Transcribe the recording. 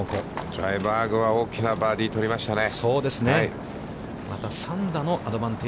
ドライバーグは大きなバーディーを取りましたね。